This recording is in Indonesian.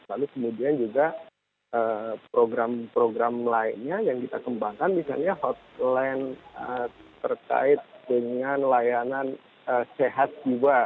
lalu kemudian juga program program lainnya yang kita kembangkan misalnya hotline terkait dengan layanan sehat jiwa